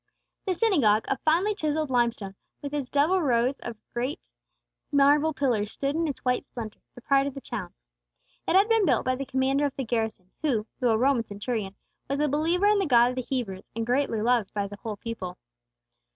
The synagogue, of finely chiselled limestone, with its double rows of great marble pillars, stood in its white splendor, the pride of the town. It had been built by the commander of the garrison who, though a Roman centurion, was a believer in the God of the Hebrews, and greatly loved by the whole people.